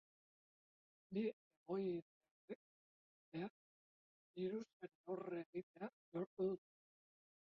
Bi egoiliarrek, ordea, birusari aurre egitea lortu dute.